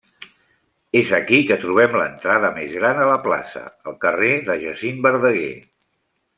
És aquí que trobem l'entrada més gran a la plaça, el carrer de Jacint Verdaguer.